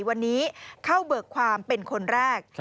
วันนี้เข้าเบิกความเป็นคนแรก